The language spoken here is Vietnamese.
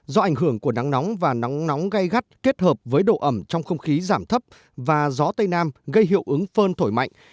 do ảnh hưởng của nắng nóng và nắng nóng gây gắt kết hợp với độ ẩm trong không khí giảm thấp và gió tây nam gây hiệu ứng phơn thổi mạnh